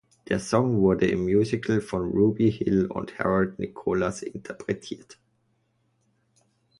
Der Song wurde im Musical von Ruby Hill und Harold Nicholas interpretiert.